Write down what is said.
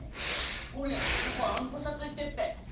ほれここあんこさ付いてっぺ。